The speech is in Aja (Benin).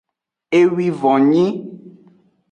Ewivon nyi.